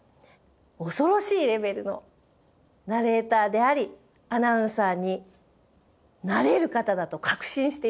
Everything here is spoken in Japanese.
恐ろしいレベルのナレーターでありアナウンサーになれる方だと確信しています。